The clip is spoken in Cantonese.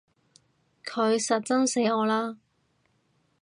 佢實憎死我啦！